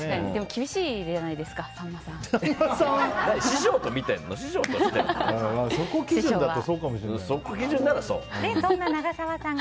厳しいじゃないですかさんまさん。